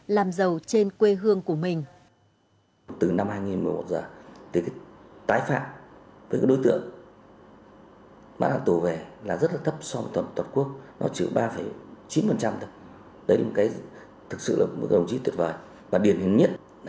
làm giàu trên quê hương của mình